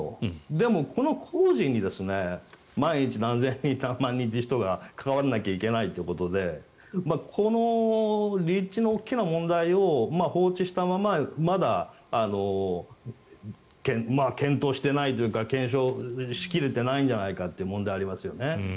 でも、この工事に毎日何千人、何万人という人が関わらなきゃいけないということでこの立地の大きな問題を放置したまままだ検討してないというか検証しきれてないんじゃないかという問題がありますよね。